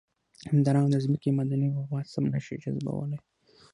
همدارنګه د ځمکې معدني مواد سم نه شي جذبولی.